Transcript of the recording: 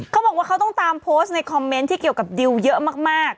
เขาบอกว่าเขาต้องตามโพสต์ในคอมเมนต์ที่เกี่ยวกับดิวเยอะมาก